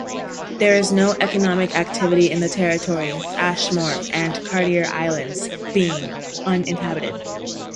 There is no economic activity in the Territory, Ashmore and Cartier Islands being uninhabited.